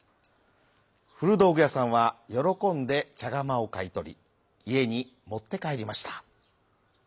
ふるどうぐやさんはよろこんでちゃがまをかいとりいえにもってかえりました。